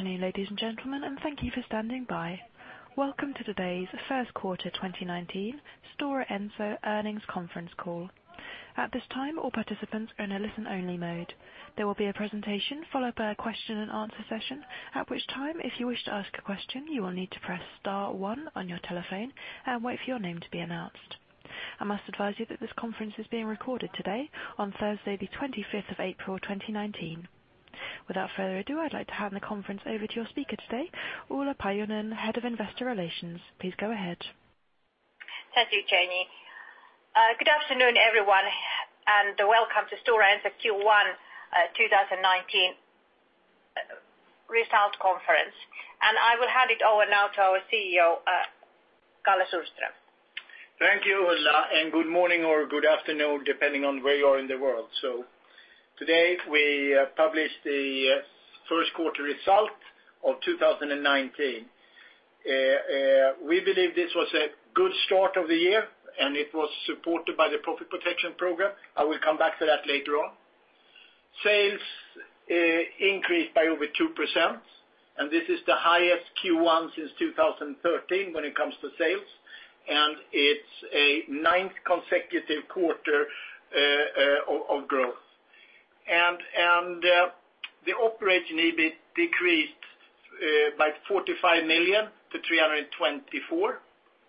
Afternoon, ladies and gentlemen, and thank you for standing by. Welcome to today's first quarter 2019 Stora Enso earnings conference call. At this time, all participants are in a listen-only mode. There will be a presentation followed by a question and answer session, at which time, if you wish to ask a question, you will need to press star one on your telephone and wait for your name to be announced. I must advise you that this conference is being recorded today on Thursday, the 25th of April, 2019. Without further ado, I'd like to hand the conference over to your speaker today, Ulla Paajanen, Head of Investor Relations. Please go ahead. Thank you, Jenny. Good afternoon, everyone, and welcome to Stora Enso Q1 2019 results conference. I will hand it over now to our CEO, Karl-Henrik Sundström. Thank you, Ulla, and good morning or good afternoon, depending on where you are in the world. Today we published the first quarter result of 2019. We believe this was a good start of the year, and it was supported by the profit protection program. I will come back to that later on. Sales increased by over 2%, and this is the highest Q1 since 2013 when it comes to sales, and it's a ninth consecutive quarter of growth. The operating EBIT decreased by 45 million to 324 million.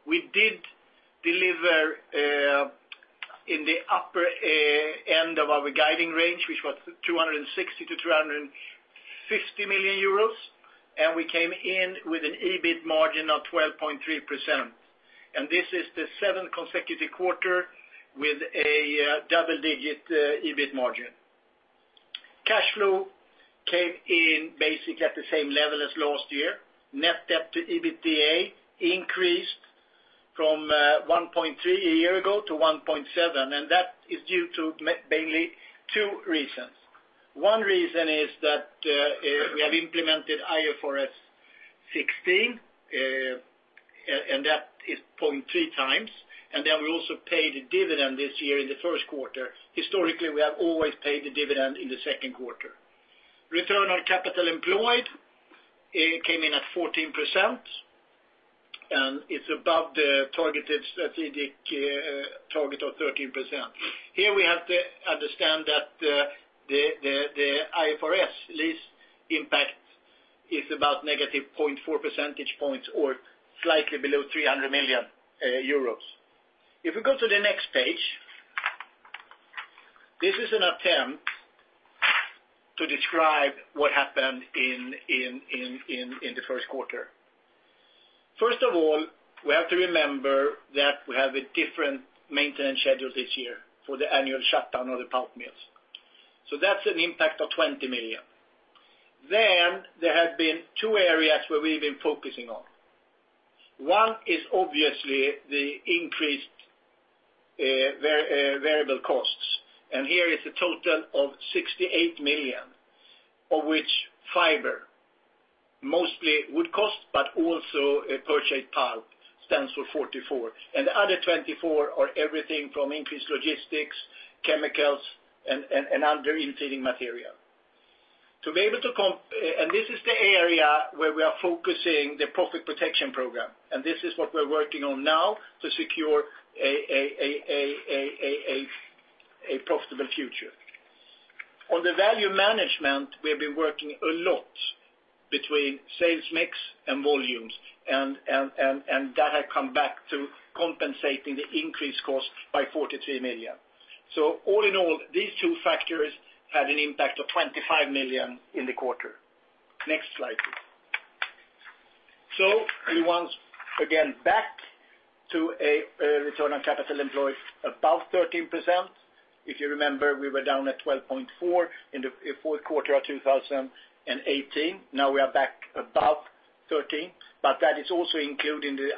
We did deliver in the upper end of our guiding range, which was 260 million euros to EUR 350 million, and we came in with an EBIT margin of 12.3%. This is the seventh consecutive quarter with a double-digit EBIT margin. Cash flow came in basically at the same level as last year. Net debt to EBITDA increased from 1.3x a year ago to 1.7x, and that is due to mainly two reasons. One reason is that we have implemented IFRS 16, and that is 0.3x. We also paid a dividend this year in the first quarter. Historically, we have always paid the dividend in the second quarter. Return on capital employed came in at 14%, and it's above the targeted strategic target of 13%. Here we have to understand that the IFRS lease impact is about negative 0.4 percentage points or slightly below 300 million euros. If we go to the next page, this is an attempt to describe what happened in the first quarter. First of all, we have to remember that we have a different maintenance schedule this year for the annual shutdown of the pulp mills. That's an impact of 20 million. There have been two areas where we've been focusing on. One is obviously the increased variable costs. Here is a total of 68 million, of which fiber, mostly wood cost, but also purchased pulp, stands for 44 million. The other 24 million are everything from increased logistics, chemicals, and other including material. This is the area where we are focusing the profit protection program. This is what we're working on now to secure a profitable future. On the value management, we have been working a lot between sales mix and volumes. That had come back to compensating the increased cost by 43 million. All in all, these two factors had an impact of 25 million in the quarter. Next slide, please. We once again back to a return on capital employed above 13%. If you remember, we were down at 12.4% in the fourth quarter of 2018. Now we are back above 13%, that is also including the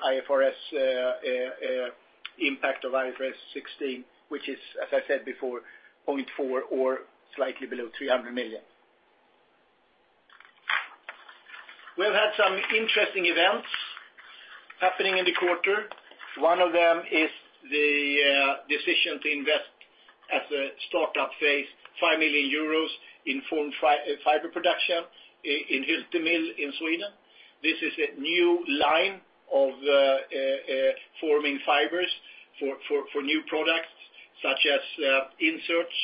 impact of IFRS 16, which is, as I said before, 0.4 percentage points or slightly below 300 million. We have had some interesting events happening in the quarter. One of them is the decision to invest as a startup phase, 5 million euros in formed fiber production in Hylte mill in Sweden. This is a new line of formed fibers for new products such as inserts,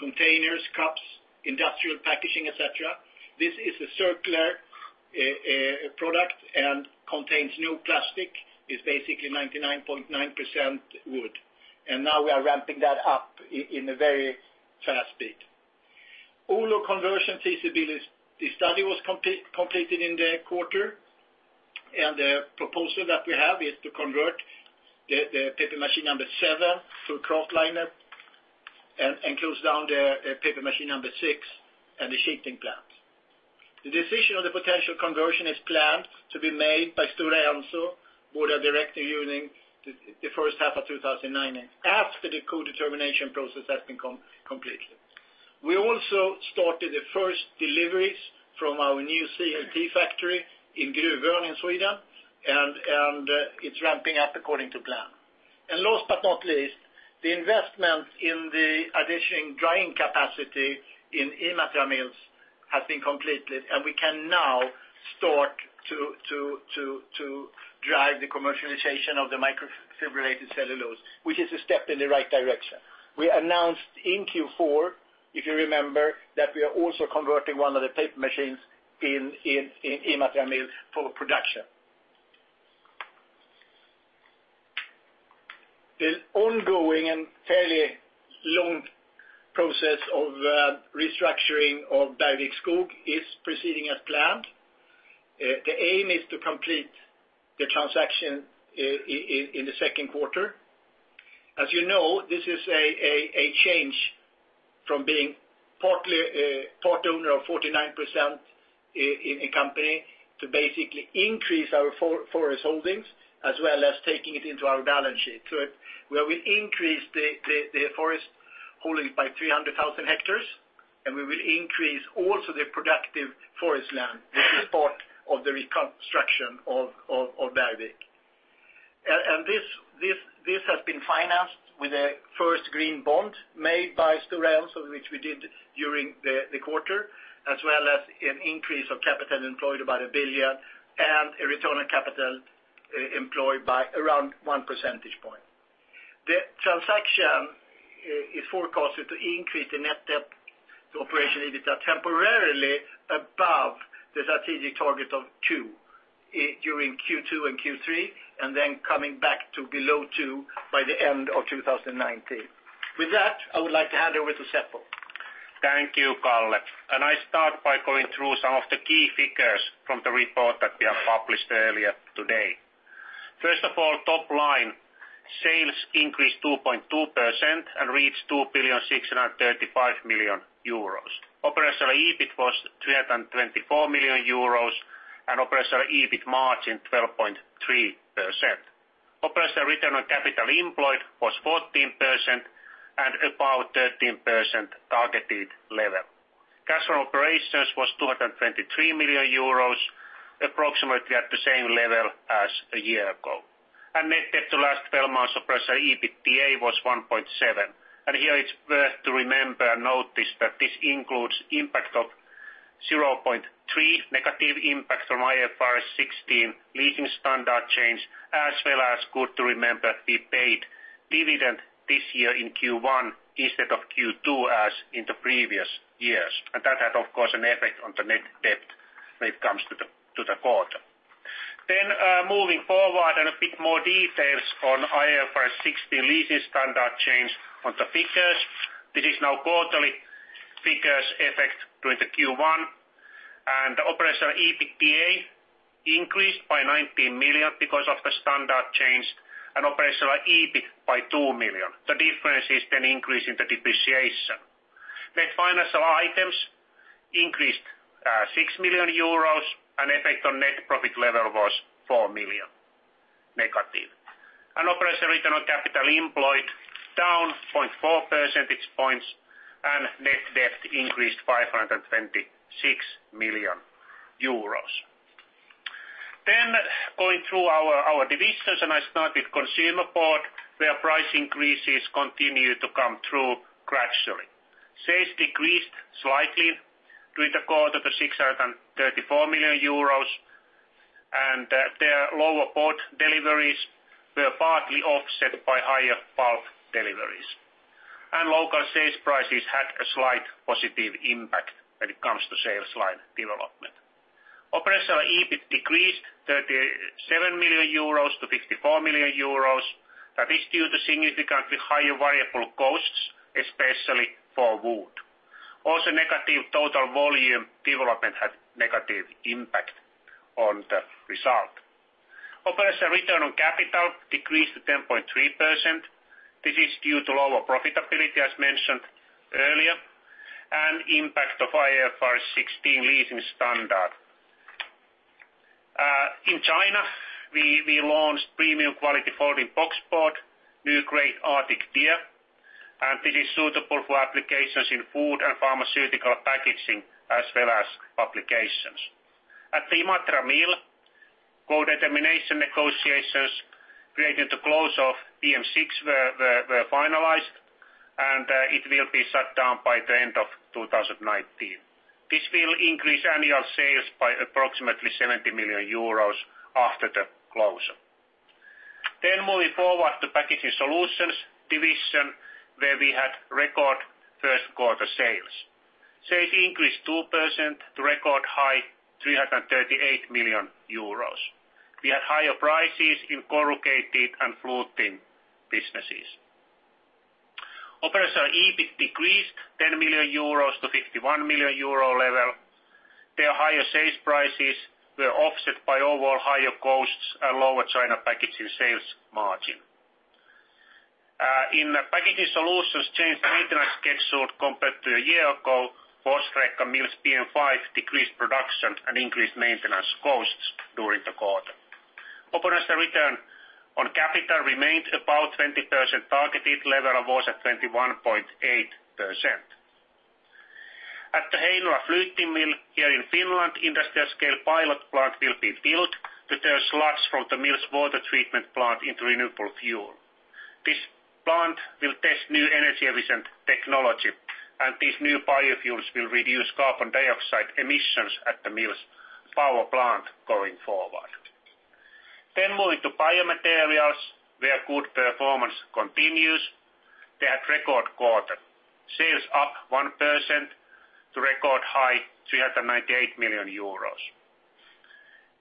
containers, cups, industrial packaging, et cetera. This is a circular product and contains no plastic. It's basically 99.9% wood. Now we are ramping that up in a very fast speed. Oulu conversion feasibility study was completed in the quarter. The proposal that we have is to convert the paper machine number 7 to kraftliner and close down the paper machine number 6 and the sheeting plant. The decision on the potential conversion is planned to be made by Stora Enso Board of Directors during the first half of 2019 after the co-determination process has been completed. We also started the first deliveries from our new CLT factory in Gruvön in Sweden. It's ramping up according to plan. Last but not least, the investment in the additional drying capacity in Imatra mills has been completed, and we can now start to drive the commercialization of the microfibrillated cellulose, which is a step in the right direction. We announced in Q4, if you remember, that we are also converting one of the paper machines in Imatra mill for production. The ongoing and fairly long process of restructuring of Bergvik Skog is proceeding as planned. The aim is to complete the transaction in the second quarter. As you know, this is a change from being part owner of 49% in a company to basically increase our forest holdings as well as taking it into our balance sheet. Where we increase the forest holdings by 300,000 hectares, and we will increase also the productive forest land, which is part of the reconstruction of Bergvik. This has been financed with a first green bond made by Stora Enso, which we did during the quarter, as well as an increase of capital employed about 1 billion and a return on capital employed by around 1 percentage point. The transaction is forecasted to increase the net debt to operational EBITDA temporarily above the strategic target of 2 during Q2 and Q3, then coming back to below 2 by the end of 2019. With that, I would like to hand over to Seppo. Thank you, Kalle. I start by going through some of the key figures from the report that we have published earlier today. First of all, top line sales increased 2.2% and reached 2,635 million euros. Operational EBIT was 324 million euros and operational EBIT margin 12.3%. Operational return on capital employed was 14% and about 13% targeted level. Cash from operations was 223 million euros, approximately at the same level as a year ago. Net debt to last 12 months operational EBITDA was 1.7. Here it's worth to remember and notice that this includes impact of 0.3 negative impact from IFRS 16 leasing standard change, as well as good to remember, we paid dividend this year in Q1 instead of Q2 as in the previous years. That had, of course, an effect on the net debt when it comes to the quarter. Moving forward and a bit more details on IFRS 16 leasing standard change on the figures. This is now quarterly figures effect during the Q1. Operational EBITDA increased by 19 million because of the standard change and operational EBIT by 2 million. The difference is increase in the depreciation. Net financial items increased 6 million euros and effect on net profit level was 4 million negative. Operational return on capital employed down 0.4 percentage points and net debt increased by 526 million euros. Going through our divisions, I start with Consumer Board, where price increases continue to come through gradually. Sales decreased slightly during the quarter to 634 million euros. Lower board deliveries were partly offset by higher pulp deliveries. Local sales prices had a slight positive impact when it comes to sales line development. Operational EBIT decreased 37 million euros to 54 million euros. That is due to significantly higher variable costs, especially for wood. Also, negative total volume development had negative impact on the result. Operational return on capital decreased to 10.3%. This is due to lower profitability as mentioned earlier, and impact of IFRS 16 leasing standard. In China, we launched premium quality folding boxboard, new grade Arctic Deer, and this is suitable for applications in food and pharmaceutical packaging as well as publications. At the Imatra mill, co-determination negotiations related to close of PM6 were finalized, and it will be shut down by the end of 2019. This will increase annual sales by approximately 70 million euros after the closure. Moving forward to Packaging Solutions division, where we had record first quarter sales. Sales increased 2% to record high 338 million euros. We had higher prices in corrugated and fluting businesses. Operational EBIT decreased 10 million euros to 51 million euro level. Higher sales prices were offset by overall higher costs and lower China packaging sales margin. In Packaging Solutions, changed maintenance schedule compared to a year ago, Fors mill's PM5 decreased production and increased maintenance costs during the quarter. Operational return on capital remained about 20% targeted level and was at 21.8%. At the Heinola fluting mill here in Finland, industrial scale pilot plant will be built to turn sludge from the mill's water treatment plant into renewable fuel. This plant will test new energy efficient technology, and these new biofuels will reduce carbon dioxide emissions at the mill's power plant going forward. Moving to biomaterials, where good performance continues. They had record quarter. Sales up 1% to record high 398 million euros.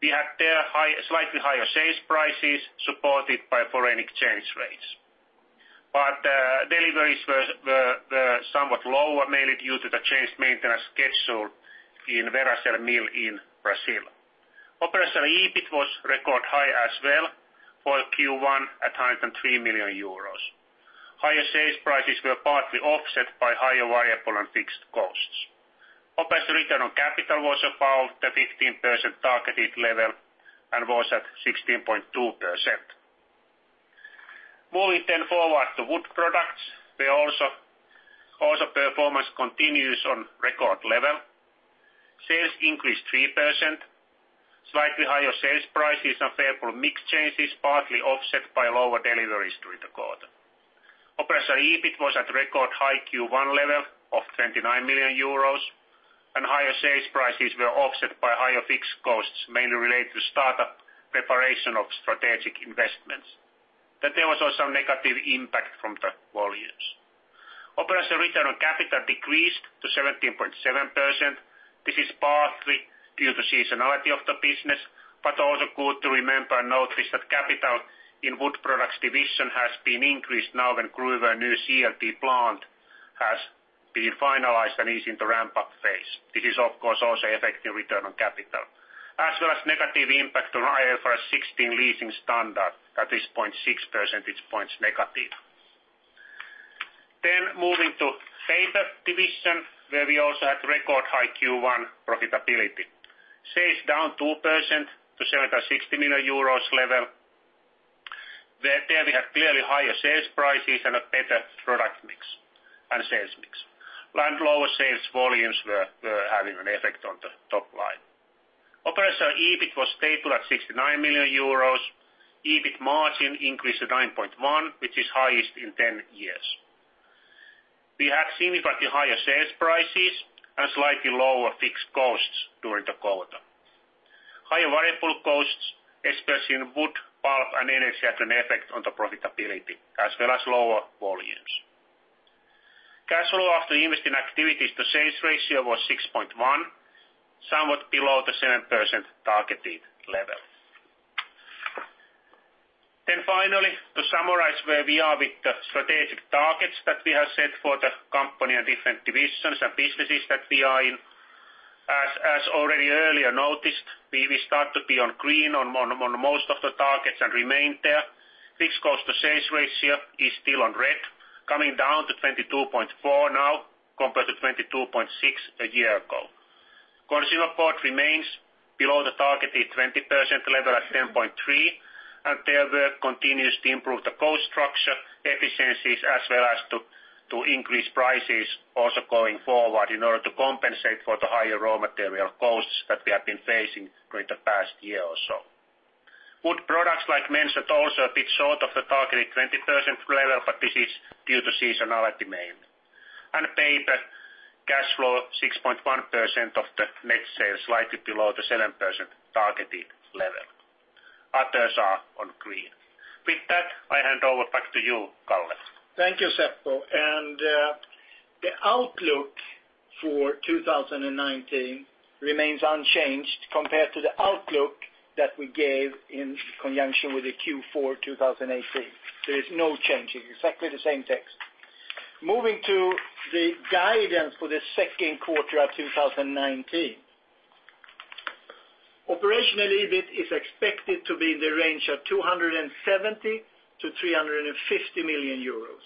We had there slightly higher sales prices supported by foreign exchange rates. Deliveries were somewhat lower, mainly due to the changed maintenance schedule in Veracel mill in Brazil. Operational EBIT was record high as well for Q1 at 103 million euros. Higher sales prices were partly offset by higher variable and fixed costs. Operational return on capital was about the 15% targeted level and was at 16.2%. Moving then forward to wood products, where also performance continues on record level. Sales increased 3%, slightly higher sales prices and favorable mix changes, partly offset by lower deliveries during the quarter. Operational EBIT was at record high Q1 level of 29 million euros and higher sales prices were offset by higher fixed costs, mainly related to startup preparation of strategic investments. There was also negative impact from the volumes. Operational return on capital decreased to 17.7%. This is partly due to seasonality of the business, but also good to remember and notice that capital in wood products division has been increased now when Gruvön new CLT plant has been finalized and is in the ramp-up phase. This is of course also affecting return on capital, as well as negative impact on IFRS 16 leasing standard that is 0.6 percentage points negative. Moving to paper division, where we also had record high Q1 profitability. Sales down 2% to 760 million euros level. There we had clearly higher sales prices and a better product mix and sales mix. Lower sales volumes were having an effect on the top line. Operational EBIT was stable at 69 million euros. EBIT margin increased to 9.1%, which is highest in 10 years. We had significantly higher sales prices and slightly lower fixed costs during the quarter. Higher variable costs, especially in wood, pulp, and energy, had an effect on the profitability as well as lower volumes. Cash flow after investing activities to sales ratio was 6.1%, somewhat below the 7% targeted level. Finally, to summarize where we are with the strategic targets that we have set for the company and different divisions and businesses that we are in. As already earlier noticed, we will start to be on green on most of the targets and remain there. Fixed cost to sales ratio is still on red, coming down to 22.4% now compared to 22.6% a year ago. Consumer Board remains below the targeted 20% level at 10.3%, and there we continue to improve the cost structure efficiencies as well as to increase prices also going forward in order to compensate for the higher raw material costs that we have been facing during the past year or so. Wood Products, like mentioned, also a bit short of the targeted 20% level, but this is due to seasonality mainly. Paper cash flow 6.1% of the net sales, slightly below the 7% targeted level. Others are on green. With that, I hand over back to you, Kalle. Thank you, Seppo. The outlook for 2019 remains unchanged compared to the outlook that we gave in conjunction with the Q4 2018. There is no change here. Exactly the same text. Moving to the guidance for the second quarter of 2019. Operational EBIT is expected to be in the range of 270 million-350 million euros.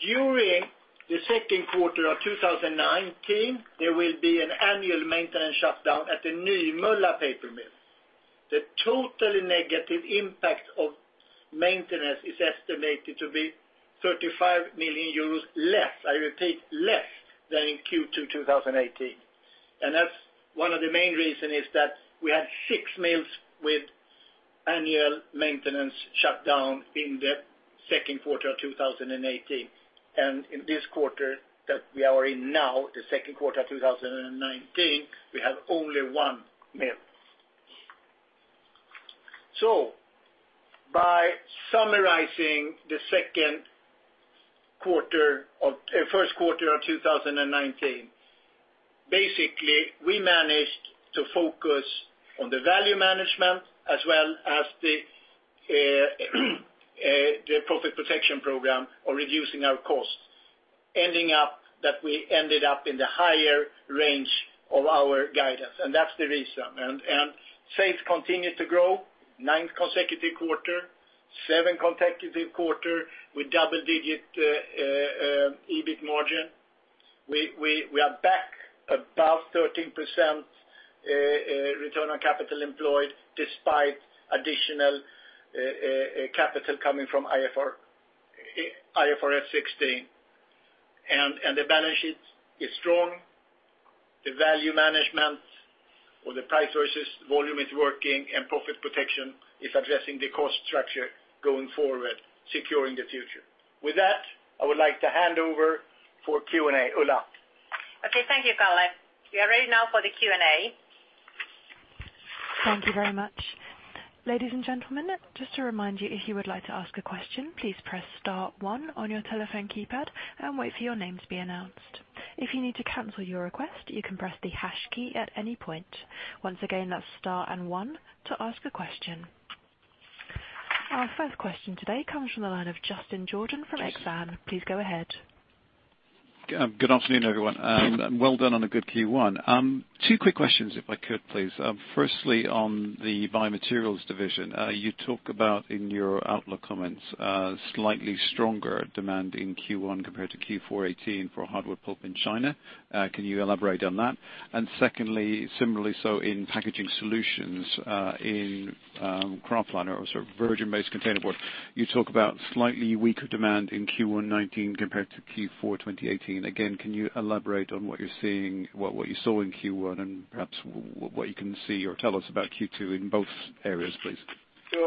During the second quarter of 2019, there will be an annual maintenance shutdown at the Nymölla paper mill. The total negative impact of maintenance is estimated to be 35 million euros less, I repeat, less than in Q2 2018. One of the main reason is that we had six mills with annual maintenance shutdown in the second quarter of 2018. In this quarter that we are in now, the second quarter 2019, we have only one mill. By summarizing the first quarter of 2019, basically, we managed to focus on the value management as well as the profit protection program on reducing our costs, ending up that we ended up in the higher range of our guidance, and that's the reason. Sales continue to grow ninth consecutive quarter, seven consecutive quarter with double-digit EBIT margin. We are back 13% return on capital employed despite additional capital coming from IFRS 16. The balance sheet is strong. The value management or the price versus volume is working, and profit protection is addressing the cost structure going forward, securing the future. With that, I would like to hand over for Q&A. Ulla? Okay. Thank you, Kalle. We are ready now for the Q&A. Thank you very much. Ladies and gentlemen, just to remind you, if you would like to ask a question, please press star one on your telephone keypad and wait for your name to be announced. If you need to cancel your request, you can press the hash key at any point. Once again, that's star and one to ask a question. Our first question today comes from the line of Justin Jordan from Exane. Please go ahead. Good afternoon, everyone. Well done on a good Q1. Two quick questions if I could, please. Firstly, on the Biomaterials division. You talk about, in your outlook comments, slightly stronger demand in Q1 compared to Q4 2018 for hardwood pulp in China. Can you elaborate on that? Secondly, similarly so in Packaging Solutions, in kraftliner or sort of virgin-based containerboard, you talk about slightly weaker demand in Q1 2019 compared to Q4 2018. Again, can you elaborate on what you're seeing, what you saw in Q1, and perhaps what you can see or tell us about Q2 in both areas, please? The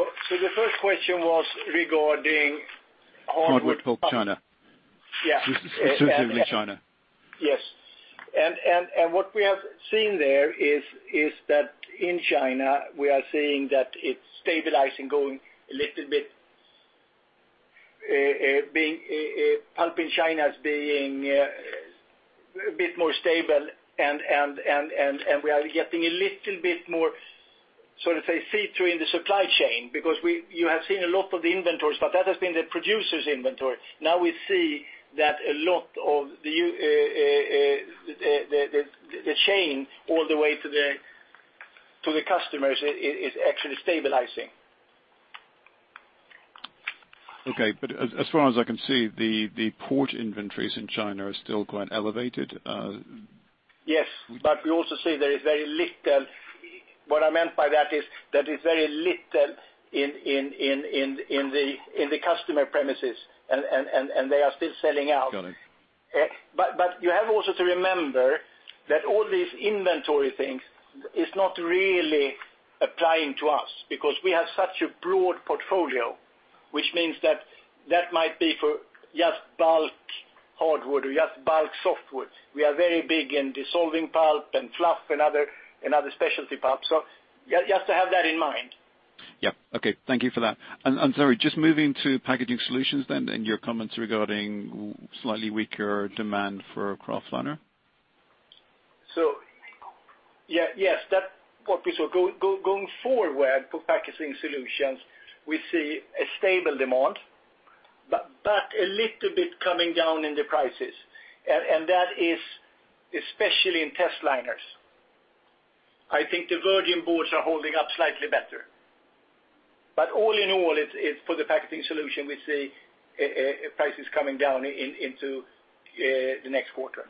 first question was regarding hardwood- Hardwood pulp, China. Yeah. Specifically China. Yes. What we have seen there is that in China we are seeing that it's stabilizing, Pulp in China is being a bit more stable and we are getting a little bit more, so to say, feed through in the supply chain because you have seen a lot of the inventories, but that has been the producer's inventory. Now we see that a lot of the chain all the way to the customers is actually stabilizing. Okay. As far as I can see, the port inventories in China are still quite elevated. Yes. We also see there is very little in the customer premises, and they are still selling out. Got it. You have also to remember that all these inventory things is not really applying to us because we have such a broad portfolio, which means that that might be for just bulk hardwood or just bulk softwoods. We are very big in dissolving pulp and fluff and other specialty pulp. You have to have that in mind. Yeah. Okay. Thank you for that. Sorry, just moving to Packaging Solutions then, and your comments regarding slightly weaker demand for kraftliner. Yes. That what we saw. Going forward for Packaging Solutions, we see a stable demand, but a little bit coming down in the prices. That is especially in testliner. I think the virgin boards are holding up slightly better. All in all, for the Packaging Solutions, we see prices coming down into the next quarter.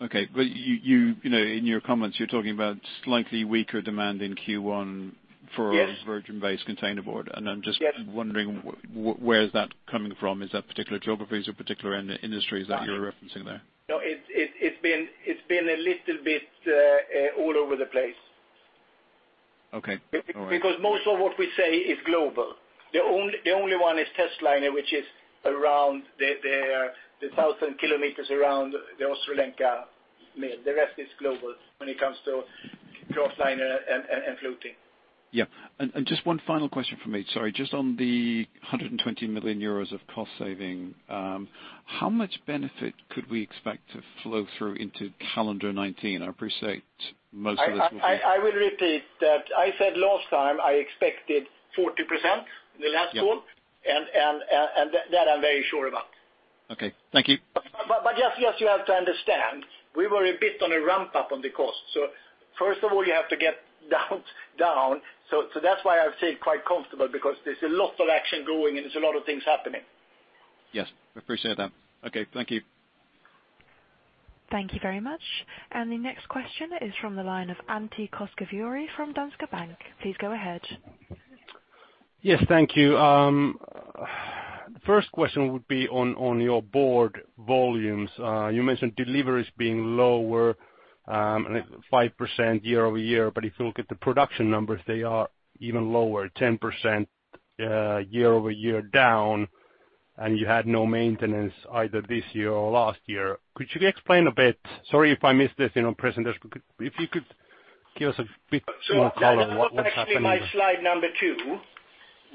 Okay. In your comments, you're talking about slightly weaker demand in Q1 for- Yes virgin-based containerboard. I'm just- Yes wondering where is that coming from. Is that particular geographies or particular industries that you're referencing there? It's been a little bit all over the place. Okay. All right. Most of what we sell is global. The only one is testliner, which is around the 1,000 km around the Ostrołęka mill. The rest is global when it comes to kraftliner and fluting. Just one final question from me. Sorry. Just on the 120 million euros of cost saving, how much benefit could we expect to flow through into calendar 2019? I appreciate most of this will be- I will repeat that I said last time, I expected 40% in the last call. Yeah. That I'm very sure about. Okay. Thank you. Just, yes, you have to understand, we were a bit on a ramp-up on the cost. First of all, you have to get down. That's why I've stayed quite comfortable because there's a lot of action going, and there's a lot of things happening. Yes. I appreciate that. Okay. Thank you. Thank you very much. The next question is from the line of Antti Koskivuori from Danske Bank. Please go ahead. Yes. Thank you. The first question would be on your board volumes. You mentioned deliveries being lower, 5% year-over-year, if you look at the production numbers, they are even lower, 10% year-over-year down, and you had no maintenance either this year or last year. Could you explain a bit? Sorry if I missed this in the presentation. If you could give us a bit more color on what's happening. That was actually my slide number two.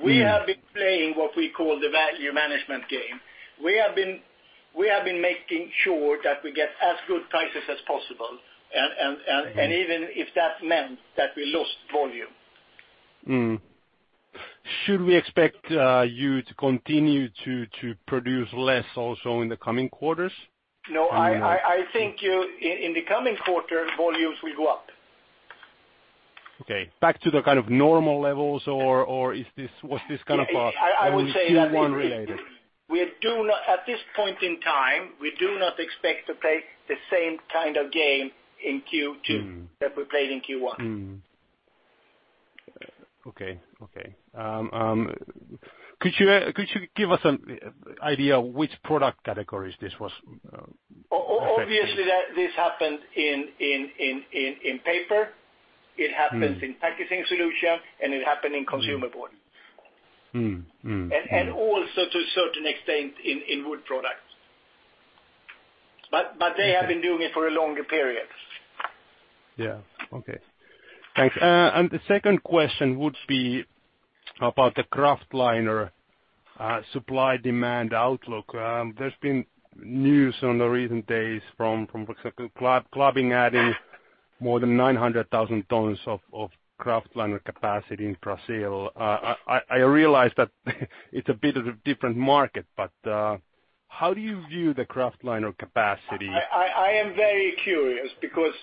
We have been playing what we call the value management game. We have been making sure that we get as good prices as possible, and even if that meant that we lost volume. Mm-hmm. Should we expect you to continue to produce less also in the coming quarters? No, I think in the coming quarter, volumes will go up. Okay. Back to the normal levels, or was this a only Q1 related? At this point in time, we do not expect to play the same kind of game in Q2 that we played in Q1. Okay. Could you give us an idea of which product categories this was affecting? Obviously, this happened in paper, it happens in Packaging Solutions, and it happened in Consumer Board. Also to a certain extent in wood products. They have been doing it for a longer period. Yeah. Okay. Thanks. The second question would be about the kraftliner supply-demand outlook. There has been news on the recent days from Klabin adding more than 900,000 tons of kraftliner capacity in Brazil. I realize that it is a bit of a different market, but how do you view the kraftliner capacity? I am very curious because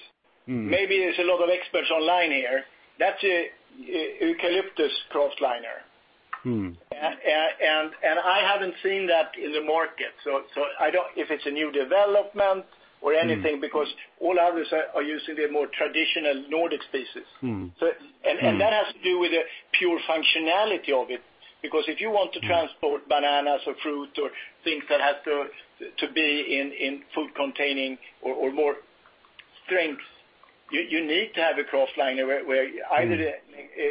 maybe there's a lot of experts online here. That's Eucalyptus kraftliner. I haven't seen that in the market. I don't know if it's a new development or anything, because all others are using the more traditional Nordic species. That has to do with the pure functionality of it. Because if you want to transport bananas or fruit or things that have to be in food containing or more strength, you need to have a kraftliner where either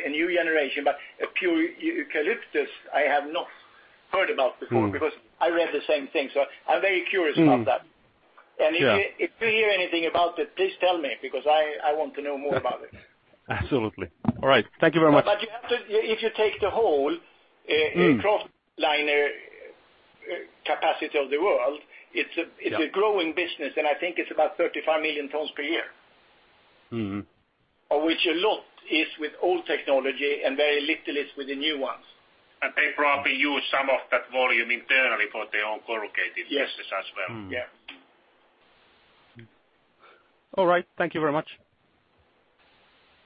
a new generation, but a pure Eucalyptus, I have not heard about before. Because I read the same thing, I'm very curious about that. Yeah. If you hear anything about it, please tell me because I want to know more about it. Absolutely. All right. Thank you very much. If you take the whole kraftliner capacity of the world, it's a growing business, and I think it's about 35 million tons per year. Of which a lot is with old technology and very little is with the new ones. They probably use some of that volume internally for their own corrugated business as well. Yes. All right. Thank you very much.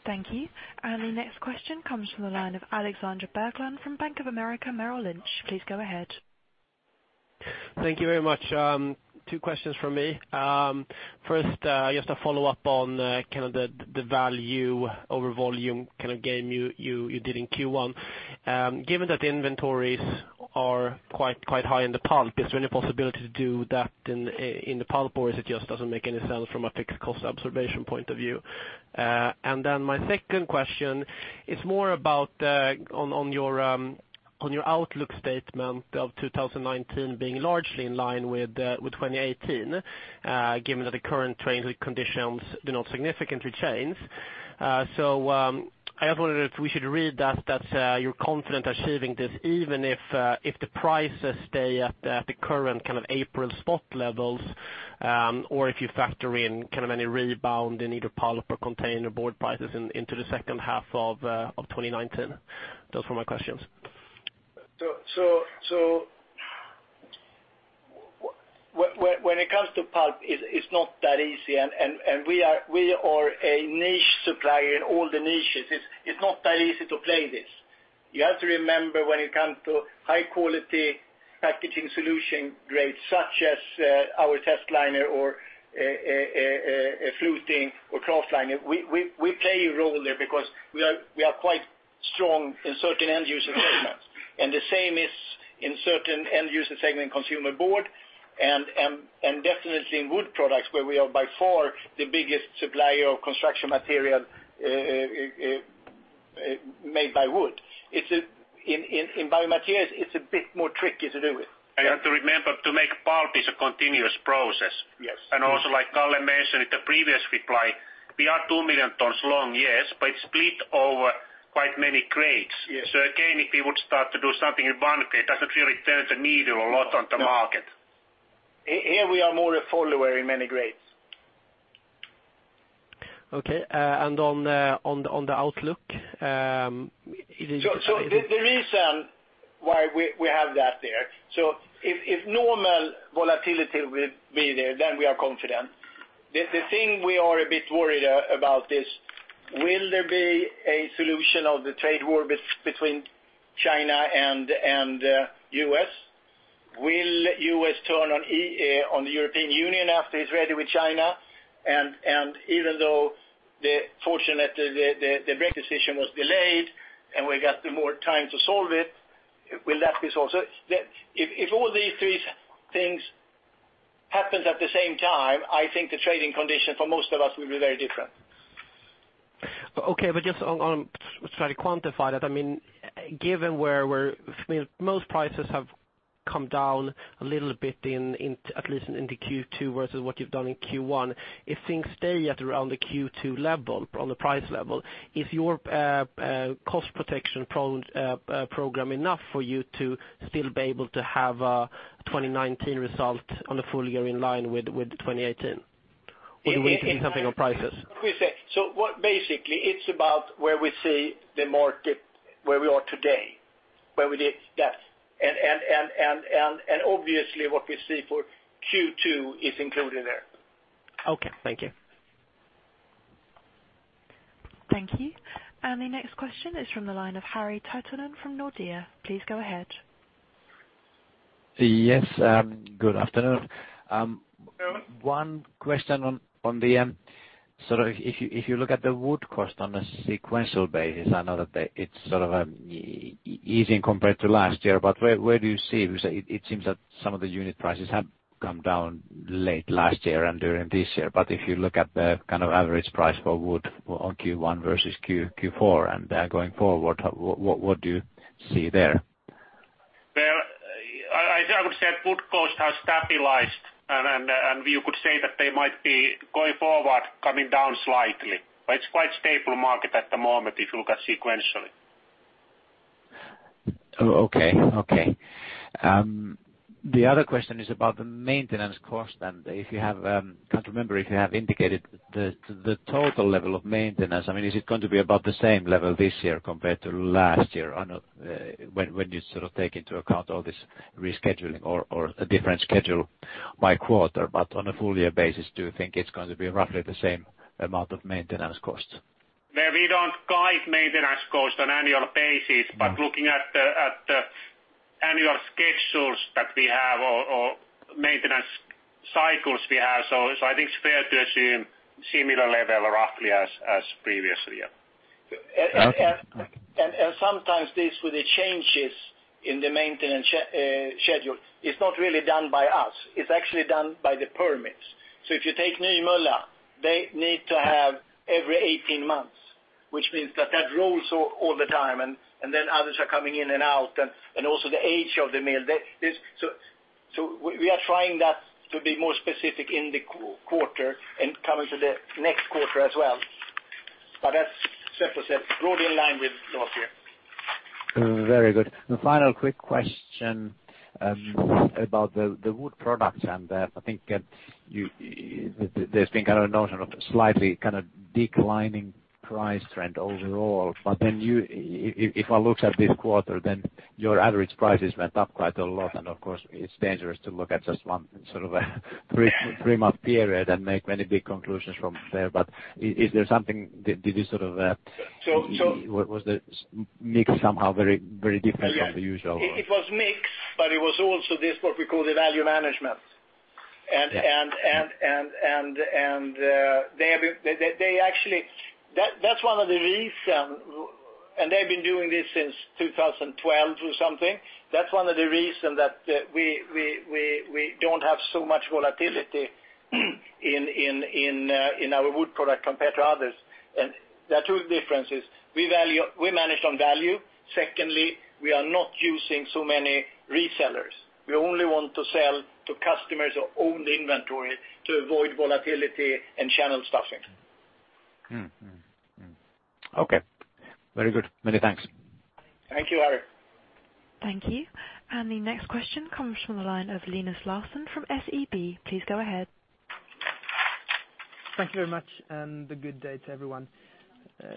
Thank you. The next question comes from the line of Alexander Berglund from Bank of America Merrill Lynch. Please go ahead. Thank you very much. Two questions from me. First, just to follow up on the value over volume game you did in Q1. Given that the inventories are quite high in the pulp, is there any possibility to do that in the pulp, or it just doesn't make any sense from a fixed cost observation point of view? My second question is more about on your outlook statement of 2019 being largely in line with 2018, given that the current trading conditions do not significantly change. I just wondered if we should read that you're confident achieving this even if the prices stay at the current April spot levels, or if you factor in any rebound in either pulp or containerboard prices into the second half of 2019. Those were my questions. When it comes to pulp, it's not that easy, and we are a niche supplier in all the niches. It's not that easy to play this. You have to remember when it comes to high-quality packaging solution grades, such as our testliner or a fluting or kraftliner, we play a role there because we are quite strong in certain end-user segments. The same is in certain end-user segment Consumer Board, and definitely in wood products, where we are by far the biggest supplier of construction material made by wood. In biomaterials, it's a bit trickier to do it. You have to remember to make pulp is a continuous process. Yes. Also like Kalle mentioned in the previous reply, we are 2 million tons long, yes, but it is split over quite many grades. Yes. Again, if we would start to do something in one grade, it does not really turn the needle a lot on the market. Here we are more a follower in many grades. Okay. On the outlook? The reason why we have that there. If normal volatility will be there, then we are confident. The thing we are a bit worried about is, will there be a solution of the trade war between China and U.S.? Will U.S. turn on the European Union after it's ready with China? Even though, fortunately, the break decision was delayed, and we got more time to solve it, will that be solved? If all these three things happen at the same time, I think the trading condition for most of us will be very different. Okay. Just on, try to quantify that. Given where most prices have come down a little bit, at least into Q2 versus what you've done in Q1. If things stay at around the Q2 level, on the price level, is your cost protection program enough for you to still be able to have a 2019 result on a full year in line with 2018? Do we need to do something on prices? Let me say. Basically, it's about where we are today Where we did, yes. Obviously what we see for Q2 is included there. Okay, thank you. Thank you. The next question is from the line of Harri Taittonen from Nordea. Please go ahead. Yes, good afternoon. Good afternoon. One question on the, if you look at the wood cost on a sequential basis, I know that it's sort of easing compared to last year, but where do you see? It seems that some of the unit prices have come down late last year and during this year. If you look at the kind of average price for wood on Q1 versus Q4 and going forward, what do you see there? Well, I would say wood cost has stabilized, and you could say that they might be going forward, coming down slightly. It's quite stable market at the moment if you look at sequentially. Okay. The other question is about the maintenance cost, and I can't remember if you have indicated the total level of maintenance. Is it going to be about the same level this year compared to last year? I know when you take into account all this rescheduling or a different schedule by quarter, on a full year basis, do you think it's going to be roughly the same amount of maintenance costs? No, we don't guide maintenance cost on annual basis, looking at the annual schedules that we have or maintenance cycles we have. I think it's fair to assume similar level roughly as previous year. Okay. Sometimes this, with the changes in the maintenance schedule, it's not really done by us. It's actually done by the permits. If you take Nymölla, they need to have every 18 months, which means that that rolls all the time, and then others are coming in and out, and also the age of the mill. We are trying that to be more specific in the quarter and coming to the next quarter as well. As Seppo said, broadly in line with last year. Very good. The final quick question about the wood products, I think there's been a notion of slightly declining price trend overall. If I look at this quarter, your average prices went up quite a lot, of course it's dangerous to look at just one three-month period and make many big conclusions from there. Is there something, was the mix somehow very different from the usual? It was mix. It was also this, what we call the value management. Yeah. That's one of the reason, they've been doing this since 2012 or something. That's one of the reason that we don't have so much volatility in our wood product compared to others. There are two differences. We manage on value. Secondly, we are not using so many resellers. We only want to sell to customers who own the inventory to avoid volatility and channel stuffing. Okay. Very good. Many thanks. Thank you, Harri. Thank you. The next question comes from the line of Linus Larsson from SEB. Please go ahead. Thank you very much, good day to everyone.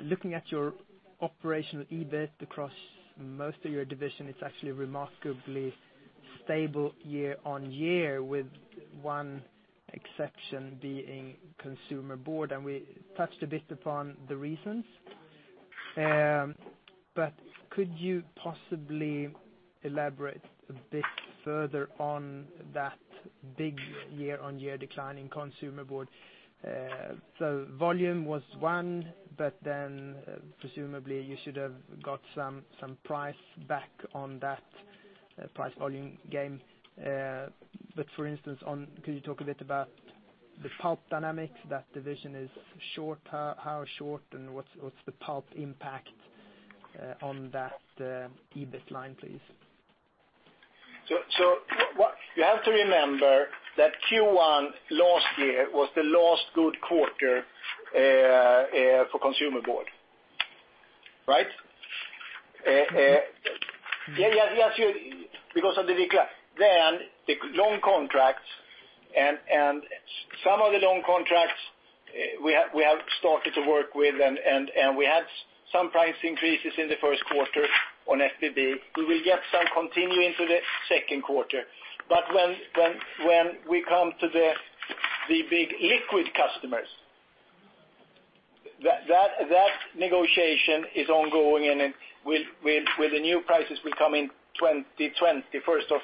Looking at your operational EBIT across most of your division, it's actually remarkably stable year-on-year, with one exception being Consumer Board. We touched a bit upon the reasons. Could you possibly elaborate a bit further on that big year-on-year decline in Consumer Board? Volume was one, but then presumably you should have got some price back on that price volume gain. For instance on, could you talk a bit about the pulp dynamics? That division is short. How short and what's the pulp impact on that EBIT line, please? You have to remember that Q1 last year was the last good quarter for Consumer Board. Right? Yes, because of the decline. The long contracts and some of the long contracts we have started to work with, and we had some price increases in the first quarter on FBB. We will get some continuing to the second quarter, but when we come to the big liquid customers, that negotiation is ongoing and with the new prices will come in 2020, first of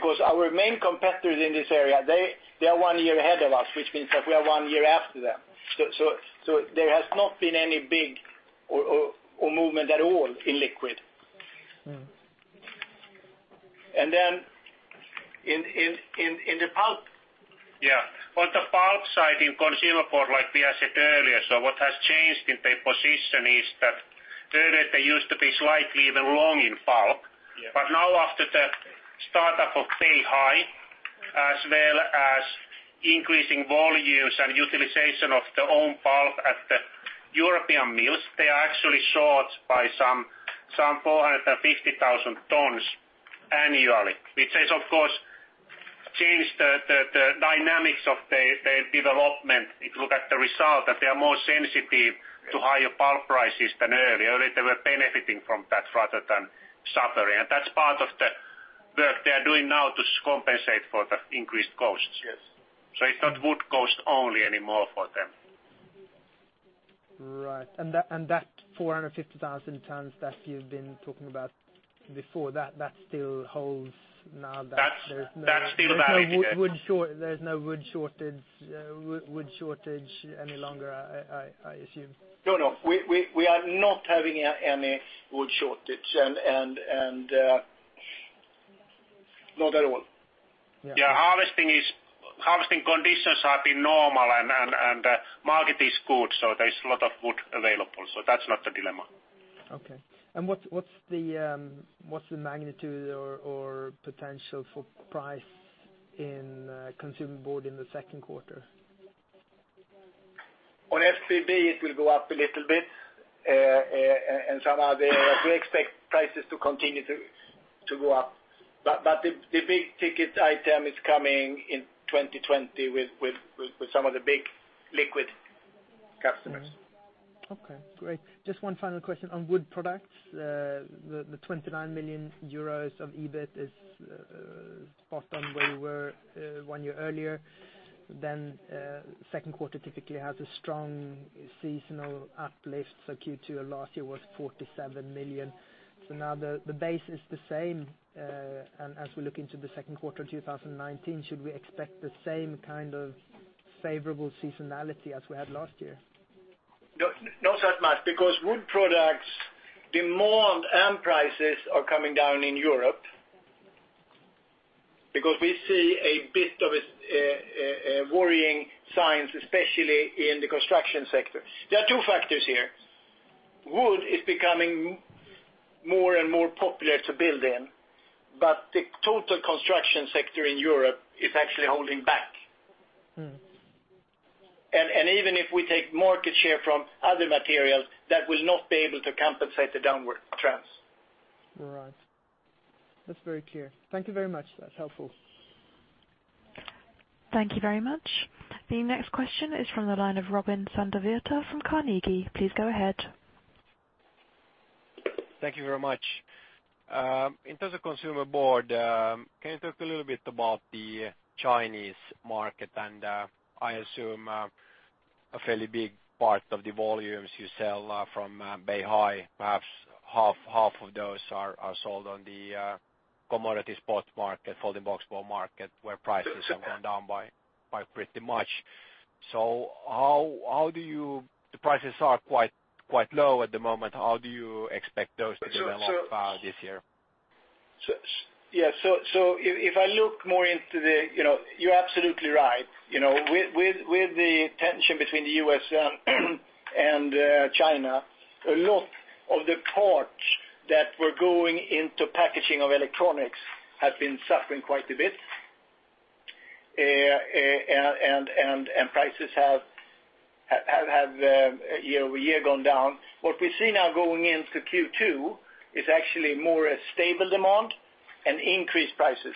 first. Our main competitors in this area, they are one year ahead of us, which means that we are one year after them. There has not been any big or movement at all in liquid. In the pulp. Yeah. On the pulp side, in Consumer Board, like we said earlier, what has changed in the position is that earlier they used to be slightly even long in pulp. Yeah. Now after the start of Beihai, as well as increasing volumes and utilization of the own pulp at the European mills, they are actually short by some 450,000 tons annually. Which is of course change the dynamics of the development. If you look at the result, that they are more sensitive to higher pulp prices than earlier. They were benefiting from that rather than suffering. That's part of the work they're doing now to compensate for the increased costs. Yes. It's not wood cost only anymore for them. Right. That 450,000 tons that you've been talking about before, that still holds now that there's no- That's still valid, yes there's no wood shortage any longer, I assume. No. We are not having any wood shortage. Not at all. Yeah. Harvesting conditions have been normal, market is good, there's a lot of wood available. That's not a dilemma. Okay. What's the magnitude or potential for price in Consumer Board in the second quarter? On FBB it will go up a little bit. We expect prices to continue to go up. The big-ticket item is coming in 2020 with some of the big liquid customers. Mm-hmm. Okay, great. Just one final question on wood products. The 29 million euros of EBIT is spot on where you were one year earlier. Second quarter typically has a strong seasonal uplift. Q2 of last year was 47 million. Now the base is the same, as we look into the second quarter 2019, should we expect the same kind of favorable seasonality as we had last year? No, not as much. Wood products demand and prices are coming down in Europe. We see a bit of worrying signs, especially in the construction sector. There are two factors here. Wood is becoming more and more popular to build in, the total construction sector in Europe is actually holding back. Even if we take market share from other materials, that will not be able to compensate the downward trends. Right. That's very clear. Thank you very much. That's helpful. Thank you very much. The next question is from the line of Robin Santavirta from Carnegie. Please go ahead. Thank you very much. In terms of Consumer Board, can you talk a little bit about the Chinese market? I assume, a fairly big part of the volumes you sell from Beihai, perhaps half of those are sold on the commodity spot market, folding boxboard market, where prices have gone down by pretty much. The prices are quite low at the moment. How do you expect those to develop this year? You're absolutely right. With the tension between the U.S. and China, a lot of the tonnage that were going into packaging of electronics has been suffering quite a bit. Prices have year-over-year gone down. What we see now going into Q2 is actually more a stable demand and increased prices.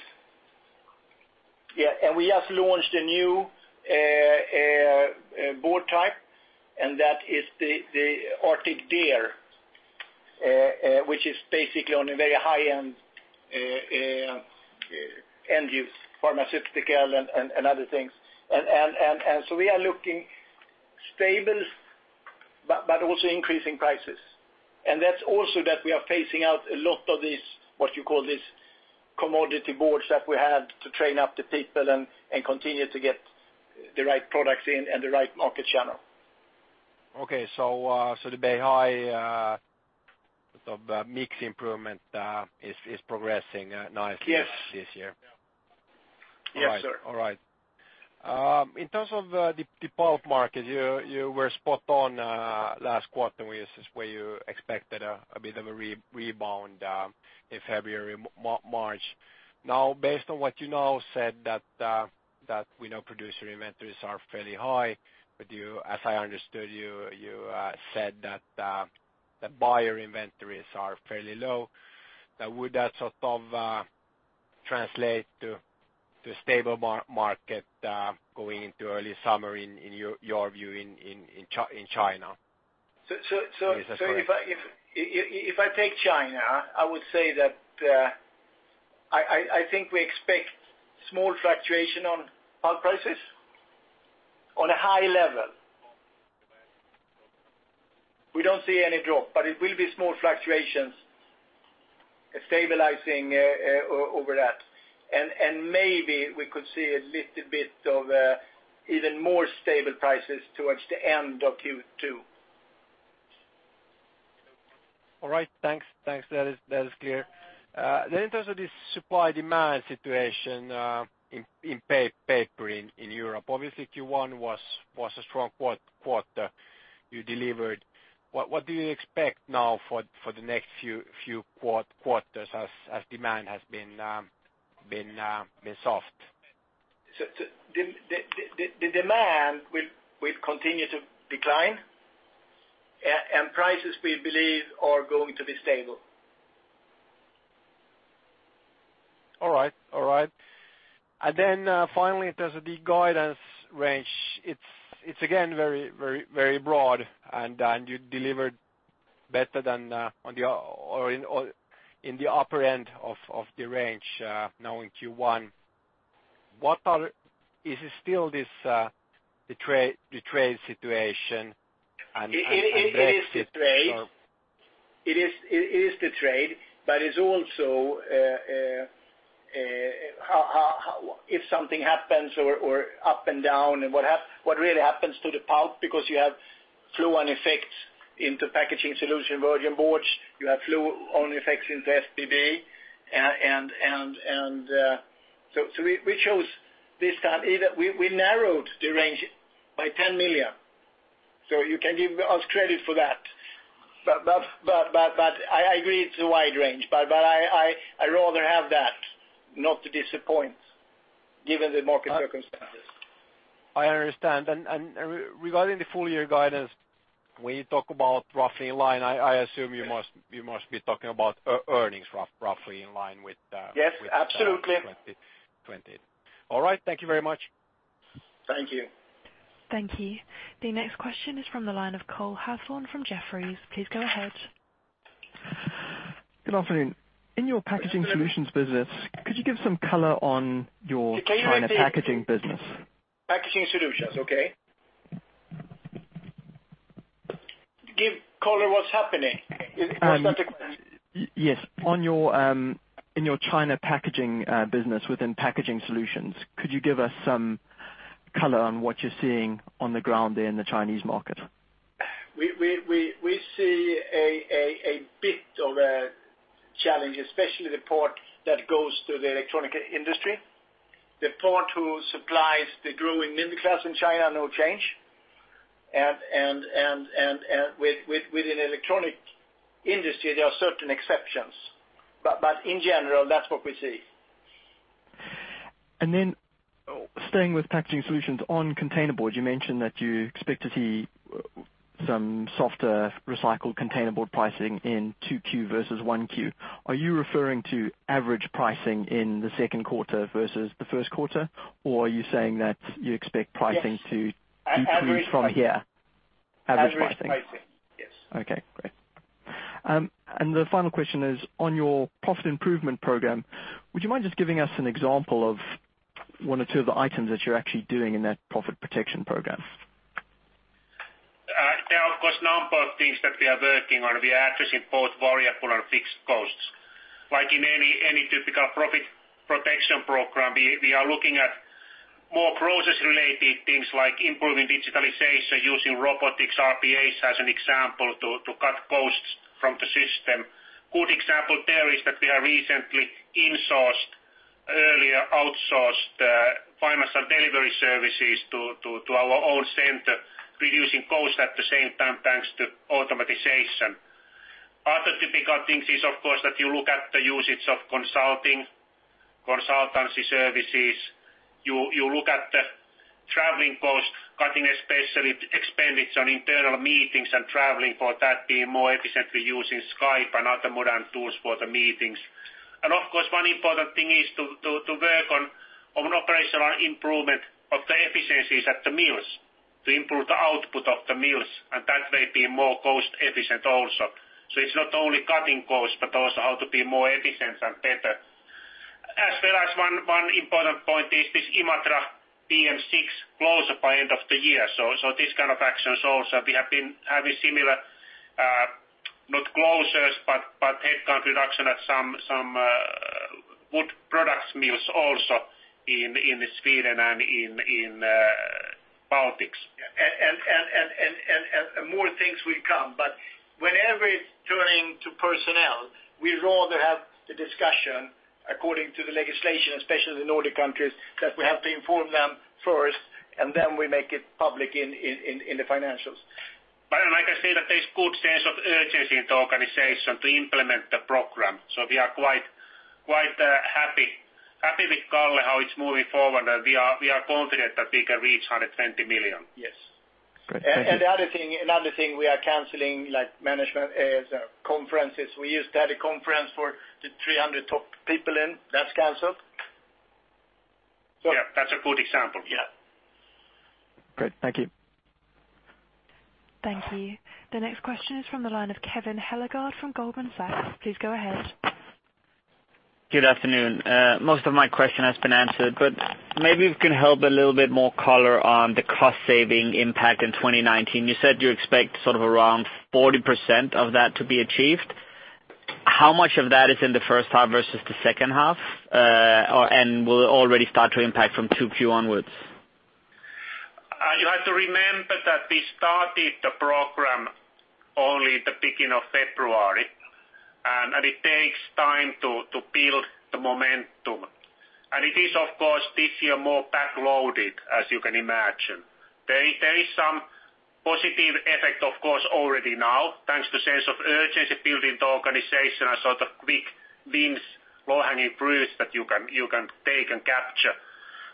Yeah. We just launched a new board type, and that is the Arctic Deer, which is basically on a very high-end use, pharmaceutical and other things. We are looking stable but also increasing prices. That's also that we are phasing out a lot of these, what you call these commodity boards that we had to train up the people and continue to get the right products in and the right market channel. Okay. The Beihai mix improvement is progressing nicely- Yes this year. Yes, sir. All right. In terms of the pulp market, you were spot on last quarter, where you expected a bit of a rebound in February, March. Based on what you now said that we know producer inventories are fairly high, but as I understood you said that the buyer inventories are fairly low. Would that sort of translate to a stable market going into early summer in your view in China? If I take China, I would say that I think we expect small fluctuation on pulp prices on a high level. We do not see any drop, but it will be small fluctuations stabilizing over that. Maybe we could see a little bit of even more stable prices towards the end of Q2. All right. Thanks. That is clear. In terms of the supply-demand situation in paper in Europe, obviously Q1 was a strong quarter you delivered. What do you expect now for the next few quarters as demand has been soft? The demand will continue to decline. Prices we believe are going to be stable. All right. Then finally, in terms of the guidance range, it's again very broad and you delivered better in the upper end of the range now in Q1. Is it still the trade situation and Brexit? It is the trade, it's also if something happens or up and down and what really happens to the pulp because you have fluid effects into Packaging Solutions virgin boards, you have fluid effects into FBB. We chose this time, we narrowed the range by 10 million. You can give us credit for that. I agree it's a wide range, I rather have that, not to disappoint given the market circumstances. I understand. Regarding the full year guidance, when you talk about roughly in line, I assume you must be talking about earnings roughly in line with- Yes, absolutely 2018. All right. Thank you very much. Thank you. Thank you. The next question is from the line of Cole Hathorn from Jefferies. Please go ahead. Good afternoon. In your Packaging Solutions business, could you give some color on your China packaging business? Packaging Solutions, okay. Give color what's happening. Was that the question? Yes. In your China packaging business within Packaging Solutions, could you give us some color on what you're seeing on the ground there in the Chinese market? We see a bit of a challenge, especially the part that goes to the electronic industry. The part who supplies the growing middle class in China, no change. Within electronic industry, there are certain exceptions. In general, that's what we see. Staying with Packaging Solutions on containerboard, you mentioned that you expect to see some softer recycled containerboard pricing in 2Q versus 1Q. Are you referring to average pricing in the second quarter versus the first quarter? Are you saying that you expect pricing to- Yes decrease from here? Average pricing. Average pricing. Average pricing, yes. Okay, great. The final question is on your profit improvement program, would you mind just giving us an example of one or two of the items that you're actually doing in that profit protection program? There are, of course, number of things that we are working on. We are addressing both variable and fixed costs. Like in any typical profit protection program, we are looking at more process related things like improving digitalization using robotics, RPAs as an example to cut costs from the system. Good example there is that we have recently insourced earlier outsourced financial delivery services to our own center, reducing cost at the same time, thanks to automatization. Other typical things is, of course, that you look at the usage of consultancy services. You look at the traveling cost cutting, especially expenditure on internal meetings and traveling for that being more efficiently using Skype and other modern tools for the meetings. Of course, one important thing is to work on operational improvement of the efficiencies at the mills to improve the output of the mills. That may be more cost efficient also. It is not only cutting costs, but also how to be more efficient and better. As well as one important point is this Imatra PM6 close by end of the year. This kind of actions also, we have been having similar, not closures, but headcount reduction at some wood products mills also in Sweden and in Baltics. More things will come, whenever it is turning to personnel, we would rather have the discussion according to the legislation, especially in the Nordic countries, that we have to inform them first, then we make it public in the financials. I can say that there is good sense of urgency in the organization to implement the program. We are quite happy with Kalle, how it is moving forward, and we are confident that we can reach 120 million. Yes. Great. Thank you. the other thing we are canceling, like management as conferences. We used to have a conference for the 300 top people in. That's canceled. Yeah, that's a good example. Yeah. Great. Thank you. Thank you. The next question is from the line of Kevin Hellegård from Goldman Sachs. Please go ahead. Good afternoon. Most of my question has been answered, but maybe you can help a little bit more color on the cost saving impact in 2019. You said you expect sort of around 40% of that to be achieved. How much of that is in the first half versus the second half? will it already start to impact from 2Q onwards? You have to remember that we started the program only the beginning of February, and it takes time to build the momentum. it is, of course, this year more back-loaded, as you can imagine. There is some positive effect, of course, already now, thanks to sense of urgency built into organization and sort of quick wins, low-hanging fruits that you can take and capture.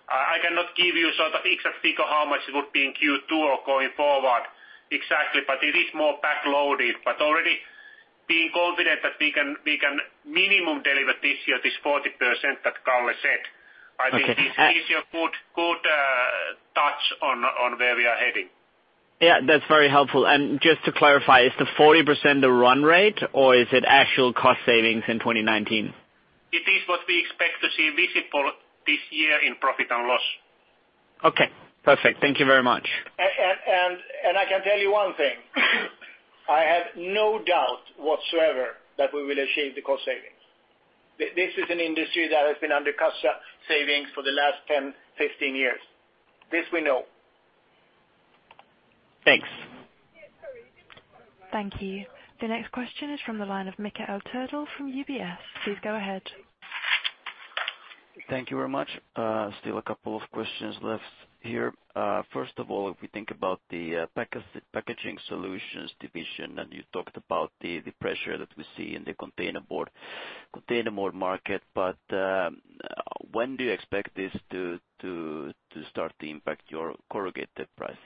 I cannot give you exact figure how much it would be in Q2 or going forward exactly, but it is more back-loaded. already being confident that we can minimum deliver this year this 40% that Kalle said. Okay. I think this gives you a good touch on where we are heading. Yeah, that's very helpful. just to clarify, is the 40% the run rate, or is it actual cost savings in 2019? It is what we expect to see visible this year in profit and loss. Okay. Perfect. Thank you very much. I can tell you one thing, I have no doubt whatsoever that we will achieve the cost savings. This is an industry that has been under cost savings for the last 10, 15 years. This we know. Thanks. Thank you. The next question is from the line of Mikael Turtula from UBS. Please go ahead. Thank you very much. Still a couple of questions left here. First of all, if we think about the Packaging Solutions division, and you talked about the pressure that we see in the containerboard market, but when do you expect this to start to impact your corrugated pricing?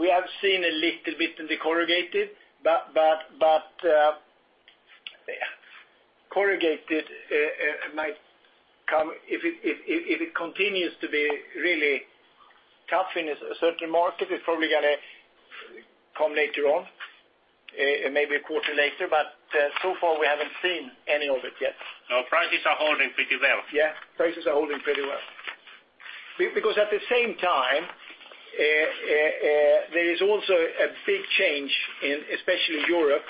We have seen a little bit in the corrugated, but corrugated might come, if it continues to be really tough in a certain market, it's probably going to come later on, maybe a quarter later. so far, we haven't seen any of it yet. No, prices are holding pretty well. Yeah. Prices are holding pretty well. Because at the same time, there is also a big change in, especially Europe,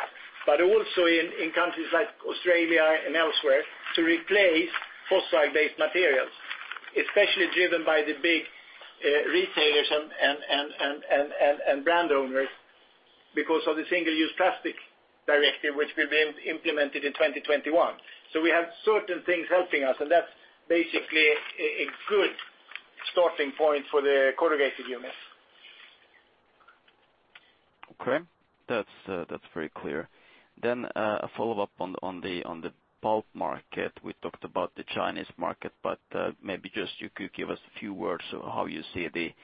but also in countries like Australia and elsewhere, to replace fossil-based materials. Especially driven by the big retailers and brand owners because of the Single-Use Plastics Directive which will be implemented in 2021. we have certain things helping us, and that's basically a good starting point for the corrugated units. Okay. That's very clear. A follow-up on the pulp market. We talked about the Chinese market, but maybe just you could give us a few words on how you see the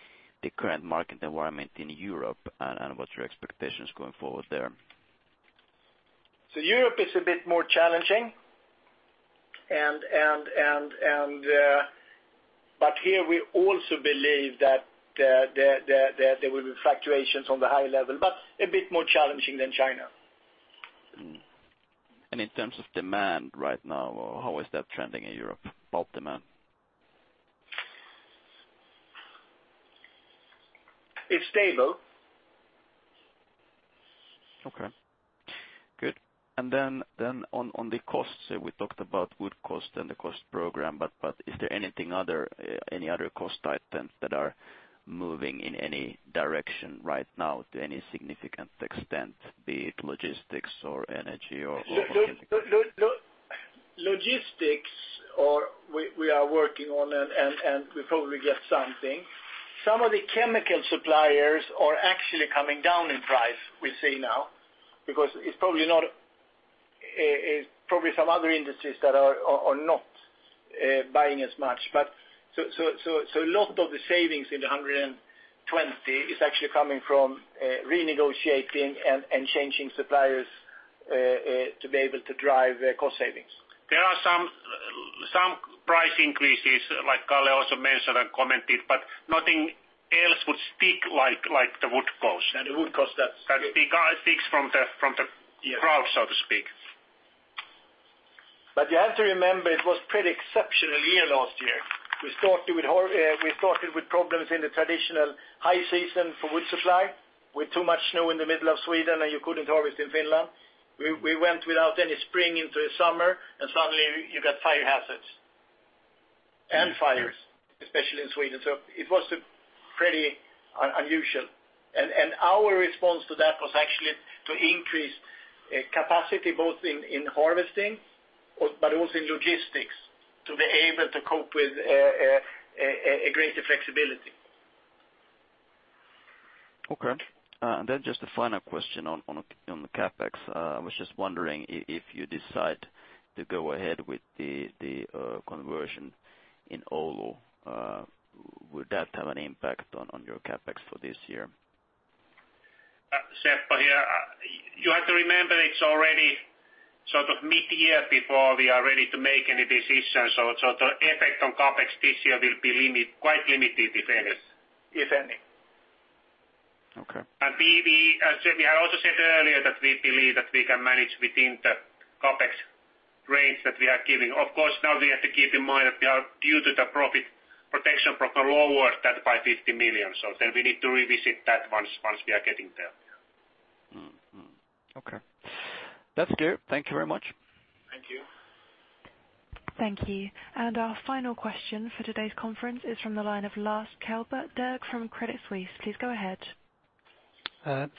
current market environment in Europe and what's your expectations going forward there. Europe is a bit more challenging. Here we also believe that there will be fluctuations on the high level, but a bit more challenging than China. In terms of demand right now, how is that trending in Europe, pulp demand? It's stable. Okay. Good. On the costs, we talked about wood cost and the cost program, but is there any other cost items that are moving in any direction right now to any significant extent, be it logistics or energy or chemical? Logistics, we are working on, and we probably get something. Some of the chemical suppliers are actually coming down in price, we see now. Because it's probably some other industries that are not buying as much. A lot of the savings in the 120 is actually coming from renegotiating and changing suppliers to be able to drive cost savings. There are some price increases, like Kalle also mentioned and commented, but nothing else would speak like the wood cost. Yeah, the wood cost, that's- That speaks from the Yeah crowd, so to speak. You have to remember it was pretty exceptional year last year. We started with problems in the traditional high season for wood supply with too much snow in the middle of Sweden, and you couldn't harvest in Finland. We went without any spring into summer, and suddenly you got fire hazards and fires, especially in Sweden. It was pretty unusual. Our response to that was actually to increase capacity, both in harvesting, but also in logistics, to be able to cope with a greater flexibility. Okay. Just a final question on the CapEx. I was just wondering if you decide to go ahead with the conversion in Oulu, would that have an impact on your CapEx for this year? Seppo here. You have to remember it's already mid-year before we are ready to make any decisions. The effect on CapEx this year will be quite limited, if any. If any. Okay. We had also said earlier that we believe that we can manage within the CapEx range that we are giving. Of course, now we have to keep in mind that we are, due to the profit protection program, lower that by 50 million. We need to revisit that once we are getting there. Okay. That's clear. Thank you very much. Thank you. Thank you. Our final question for today's conference is from the line of Lars Kjellberg from Credit Suisse. Please go ahead.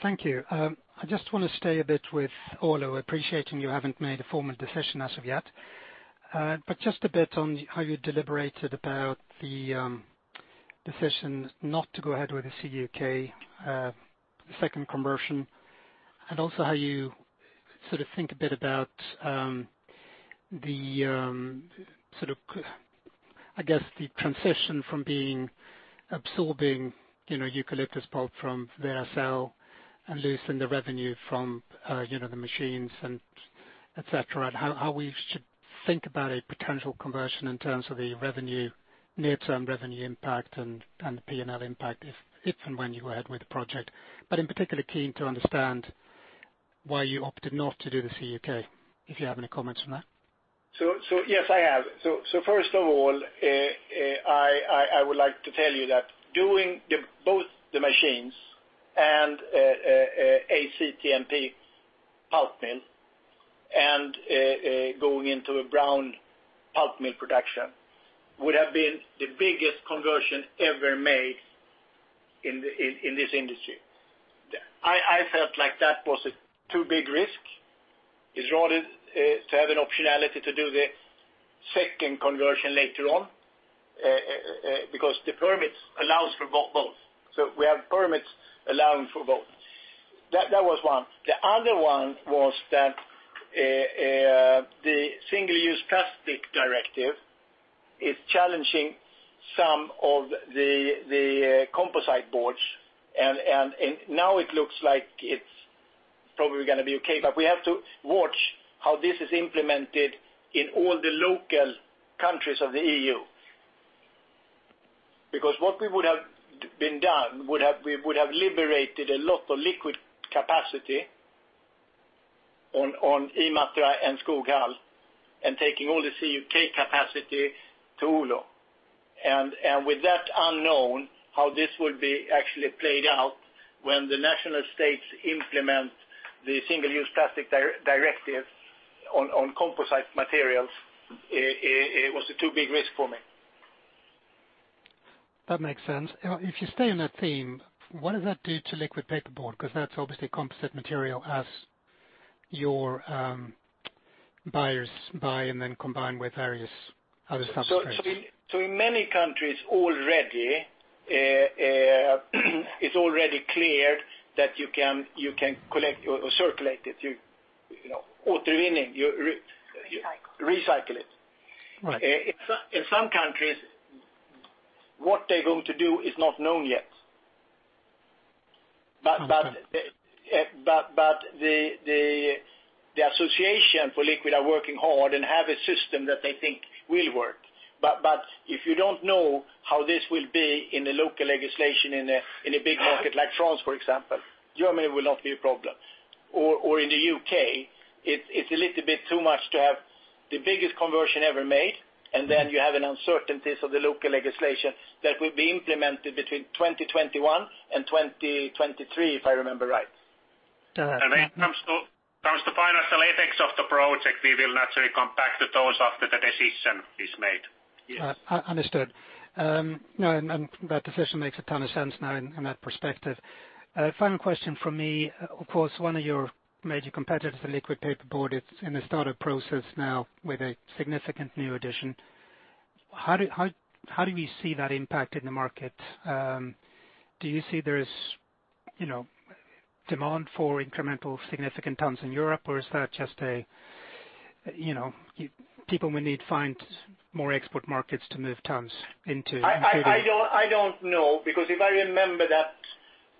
Thank you. I just want to stay a bit with Oulu, appreciating you haven't made a formal decision as of yet. Just a bit on how you deliberated about the decision not to go ahead with the CUK, the second conversion, and also how you think a bit about the I guess the transition from absorbing eucalyptus pulp from Veracel and losing the revenue from the machines and et cetera. How we should think about a potential conversion in terms of the near-term revenue impact and the P&L impact if, and when you went with the project. In particular, keen to understand why you opted not to do the CUK, if you have any comments on that. Yes, I have. First of all, I would like to tell you that doing both the machines and CTMP pulp mill and going into a brown pulp mill production would have been the biggest conversion ever made in this industry. I felt like that was a too big risk. It's rather to have an optionality to do the second conversion later on, because the permits allows for both. We have permits allowing for both. That was one. The other one was that the Single-Use Plastics Directive is challenging some of the composite boards, and now it looks like it's probably going to be okay. We have to watch how this is implemented in all the local countries of the EU. Because what we would have been done, we would have liberated a lot of liquid capacity on Imatra and Skoghall, and taking all the CUK capacity to Oulu. With that unknown, how this would be actually played out when the national states implement the Single-Use Plastics Directive on composite materials, it was a too big risk for me. That makes sense. If you stay on that theme, what does that do to liquid packaging board? Because that's obviously composite material as your buyers buy and then combine with various other substrates. In many countries, it's already cleared that you can collect or circulate it. You Recycle. Recycle it. Right. In some countries, what they're going to do is not known yet. Okay. The association for liquid are working hard and have a system that they think will work. But if you don't know how this will be in the local legislation in a big market like France, for example, Germany will not be a problem. In the U.K., it's a little bit too much to have the biggest conversion ever made, and then you have uncertainties of the local legislation that will be implemented between 2021 and 2023, if I remember right. All right. When it comes to financial effects of the project, we will naturally come back to those after the decision is made. Yes. Understood. No, and that decision makes a ton of sense now in that perspective. Final question from me. Of course, one of your major competitors for liquid packaging board, it's in the startup process now with a significant new addition. How do you see that impact in the market? Do you see there is demand for incremental significant tons in Europe, or is that just a, people may need find more export markets to move tons into- I don't know because if I remember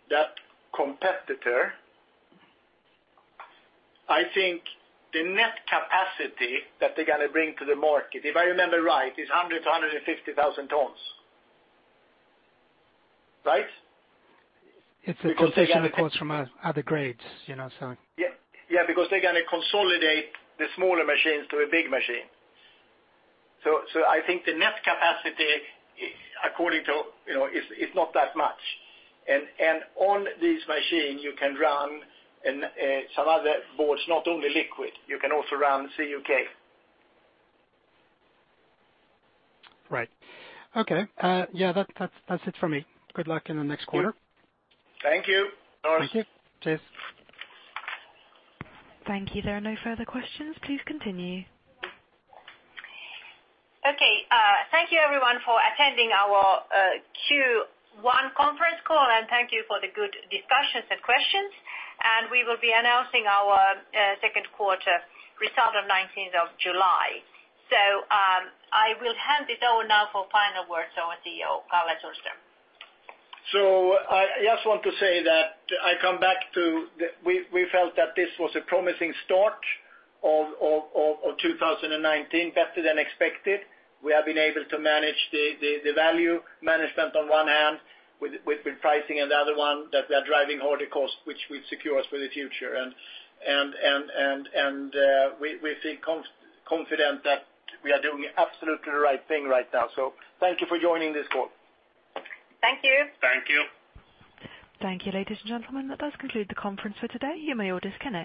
that competitor, I think the net capacity that they're going to bring to the market, if I remember right, is 100 to 150,000 tons. Right? It's a consolidation, of course, from other grades. Yeah, because they're going to consolidate the smaller machines to a big machine. I think the net capacity is not that much. On this machine, you can run some other boards, not only liquid. You can also run CUK. Right. Okay. Yeah, that's it from me. Good luck in the next quarter. Thank you. Thank you. Cheers. Thank you. There are no further questions. Please continue. Okay. Thank you everyone for attending our Q1 conference call, and thank you for the good discussions and questions. We will be announcing our second quarter result on 19th of July. I will hand it over now for final words to our CEO, Karl-Henrik Sundström. I just want to say that I come back to, we felt that this was a promising start of 2019, better than expected. We have been able to manage the value management on one hand with pricing, and the other one that we are driving all the costs, which will secure us for the future. We feel confident that we are doing absolutely the right thing right now. Thank you for joining this call. Thank you. Thank you. Thank you, ladies and gentlemen. That does conclude the conference for today. You may all disconnect.